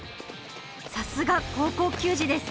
さすが高校球児です。